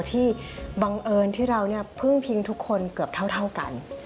บังเอิญที่เราเนี่ยพึ่งพิงทุกคนเกือบเท่ากัน